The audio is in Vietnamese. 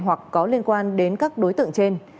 hoặc có liên quan đến các đối tượng trên